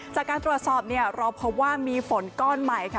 แต่การตรวสอบเนี้ยรอเพราะว่ามีฝนก้อนใหม่ค่ะ